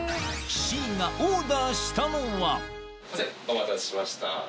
お待たせしました。